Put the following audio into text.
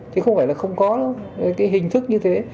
thì không phải là không có lắm cái hình thức như thế